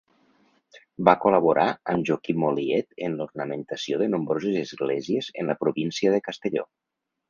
Va col·laborar amb Joaquim Oliet en l'ornamentació de nombroses esglésies en la província de Castelló.